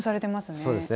そうですね。